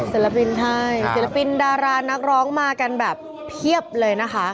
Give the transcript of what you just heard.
ศิลปินให้ศิลปินดารานักร้องมากันแบบเพียบเลยนะคะ